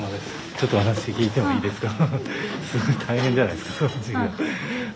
ちょっとお話聞いてもいいですか？